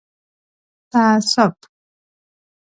تعصب